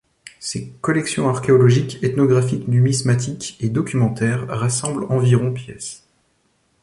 Ses collections archéologiques, ethnographiques, numismatiques et documentaires rassemblent environ pièces.